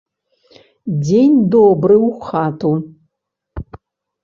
Дзень добры ў хату.